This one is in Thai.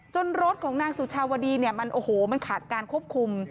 จนรถของนางสุชาวดีมันขาดการควบคุม